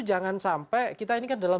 jangan sampai kita ini kan dalam